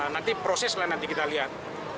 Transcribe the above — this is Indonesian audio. nanti proses lah nanti kita lihat